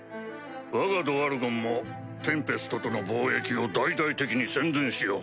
わがドワルゴンもテンペストとの貿易を大々的に宣伝しよう。